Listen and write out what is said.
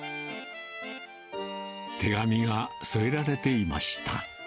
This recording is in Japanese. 手紙が添えられていました。